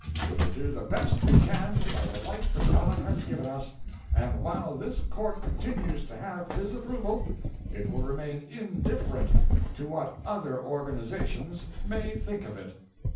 We will do the best we can by the light that God has given us, and while this court continues to have His approval, it will remain indifferent to what other organizations may think of it."